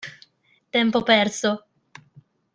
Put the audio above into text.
Tempo perso!